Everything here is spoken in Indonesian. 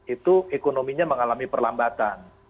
itu ekonominya mengalami perlambatan